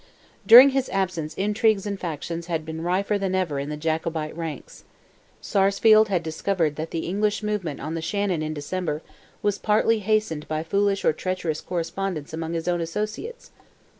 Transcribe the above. During his absence intrigues and factions had been rifer than ever in the Jacobite ranks. Sarsfield had discovered that the English movement on the Shannon in December was partly hastened by foolish or treacherous correspondence among his own associates.